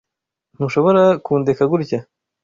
Ntushobora kundeka gutya.